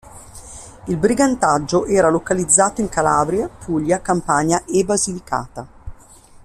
Il brigantaggio era localizzato in Calabria, Puglia, Campania e Basilicata.